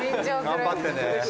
・頑張ってね。